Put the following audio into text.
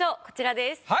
こちらです。